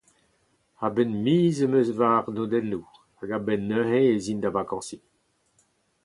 A-benn miz em eus ma arnodennoù, hag a-benn neuze ez in da vakañsiñ.